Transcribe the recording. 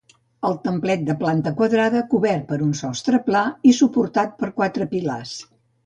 El templet de planta quadrada, cobert per un sostre pla, i suportat per quatre pilars.